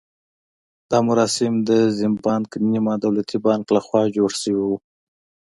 دا مراسم د زیمبانک نیمه دولتي بانک لخوا جوړ شوي وو.